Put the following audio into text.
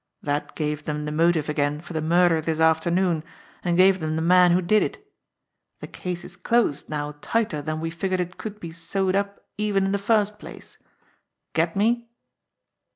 That gave them the motive again for the murder this afternoon, and gave them the man who did it. The case is closed now tighter than we figured it could be sewed up even in the first place. Get me?"